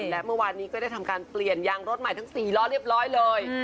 และเมื่อวานนี้ก็ได้ทำการเปลี่ยนยางรถใหม่ทั้ง๔ล้อเรียบร้อยเลย